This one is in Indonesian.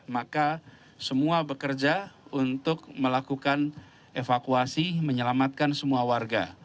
maka semua bekerja untuk melakukan evakuasi menyelamatkan semua warga